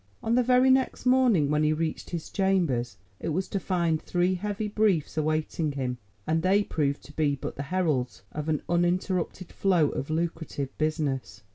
On the very next morning when he reached his chambers it was to find three heavy briefs awaiting him, and they proved to be but the heralds of an uninterrupted flow of lucrative business.